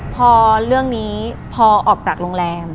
พอเรื่องนี้พอออกจากโรงแรม